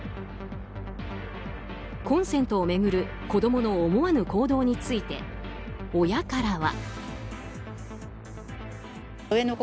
コンセントを巡る子供の思わぬ行動について親からは。